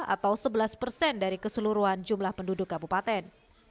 atau sebelas persen dari keseluruhan jumlah penduduk kabupaten